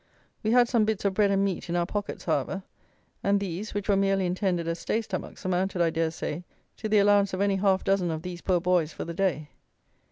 We had some bits of bread and meat in our pockets, however; and these, which, were merely intended as stay stomachs, amounted, I dare say, to the allowance of any half dozen of these poor boys for the day.